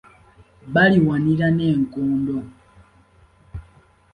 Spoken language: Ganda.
Baliwanira n'enkondo.